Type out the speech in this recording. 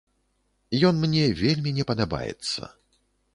Ён мне вельмі не падабаецца.